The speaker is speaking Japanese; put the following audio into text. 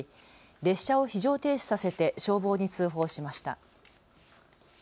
列車を非常停止させて消防に通報しました。